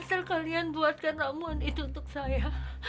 asal kalian buatkan ramuan itu untuk saya